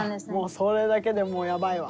それだけでもうやばいわ。